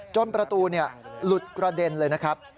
ประตูหลุดกระเด็นเลยนะครับ